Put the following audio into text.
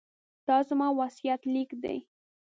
دا زما وصیت لیک دی.